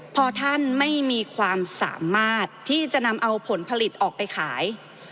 พอท่านไม่มีความสามารถที่จะนำเอาผลผลิตออกไปขาย